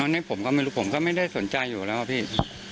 นี่ผมก็ไม่รู้ผมก็ไม่ได้สนใจอยู่แล้วครับพี่